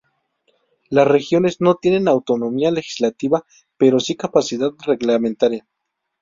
Las regiones no tienen autonomía legislativa pero si capacidad reglamentaria.